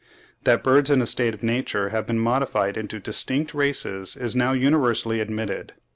That birds in a state of nature have been modified into distinct races is now universally admitted.